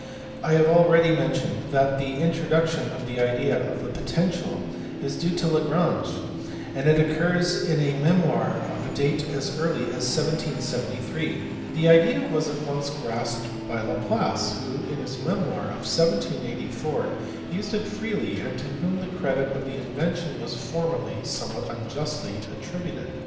I have already mentioned (see above, p. 412) that the introduction of the idea of the potential is due to Lagrange, and it occurs in a memoir of a date as early as 1773. The idea was at once grasped by Laplace who, in his memoir of 1784, used it freely and to whom the credit of the invention was formerly, somewhat unjustly, attributed.